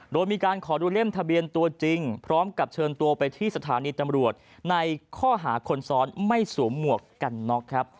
โดยมีการขอดูเล่มทะเบียนตัวจริงพร้อมกับเชิญตัวไปที่สถานีตำรวจในข้อหาคนซ้อนไม่สวมหมวกกันน็อกครับ